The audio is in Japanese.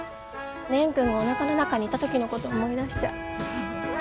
蓮くんがおなかの中にいた時のこと思い出しちゃう。